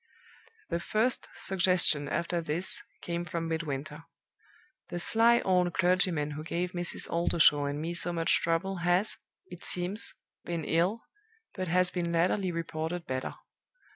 "The first suggestion after this came from Midwinter. The sly old clergyman who gave Mrs. Oldershaw and me so much trouble has, it seems, been ill, but has been latterly reported better.